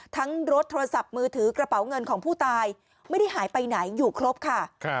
รถโทรศัพท์มือถือกระเป๋าเงินของผู้ตายไม่ได้หายไปไหนอยู่ครบค่ะ